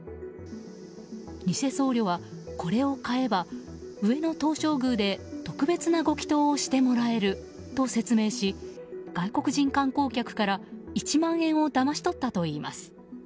偽僧侶は、これを買えば上野東照宮で特別なご祈祷をしてもらえると説明し外国人観光客から１万円をだまし取ったといいます。